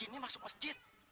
jinnya masuk masjid